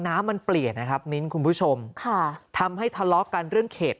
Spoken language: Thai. น้ำมันเปลี่ยนนะครับมิ้นคุณผู้ชมค่ะทำให้ทะเลาะกันเรื่องเขต